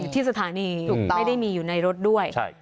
ที่สถานีไม่ได้มีอยู่ในรถด้วย